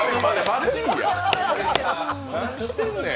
何してんねん。